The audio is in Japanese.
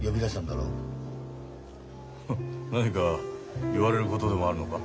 フッ何か言われることでもあるのか？